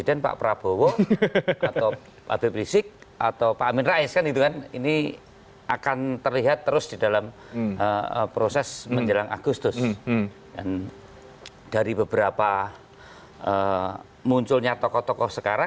jadi kita harus melakukan komunikasi